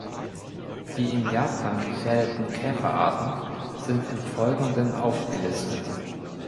Die in Japan gefährdeten Käferarten sind im Folgenden aufgelistet.